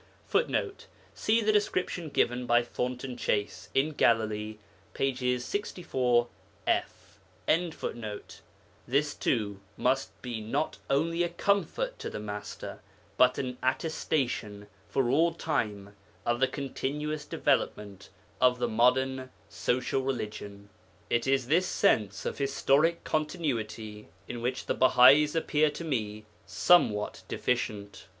[Footnote: See the description given by Thornton Chase, In Galilee, pp. 63 f.] This too must be not only a comfort to the Master, but an attestation for all time of the continuous development of the Modern Social Religion. It is this sense of historical continuity in which the Bahais appear to me somewhat deficient.